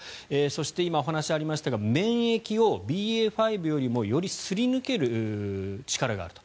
そして、今お話がありましたが免疫をＢＡ．５よりもよりすり抜ける力があると。